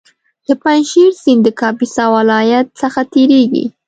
د پنجشېر سیند د کاپیسا ولایت څخه تېرېږي